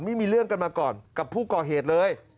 ไม่มีเรื่องกันมาก่อนกับผู้ก่อเหตุเลย